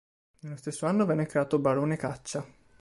Nello stesso anno venne creato barone Caccia.